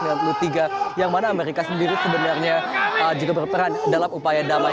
yang mana amerika sendiri sebenarnya juga berperan dalam upaya damai